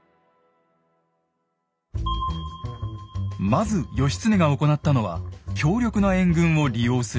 まず義経が行ったのは強力な援軍を利用することでした。